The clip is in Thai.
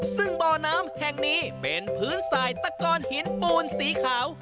ซึ่งบ่อน้ำแห่งนี้เป็นพื้นสายตะกอนหินปูนสีขาว